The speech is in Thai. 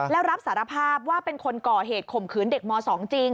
แล้วรับสารภาพว่าเป็นคนก่อเหตุข่มขืนเด็กม๒จริง